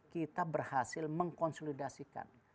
kita berhasil mengkonsolidasikan